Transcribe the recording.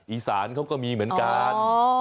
อีสานเขาก็มีเหมือนกัน